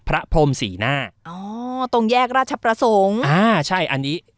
พรมสี่หน้าอ๋อตรงแยกราชประสงค์อ่าใช่อันนี้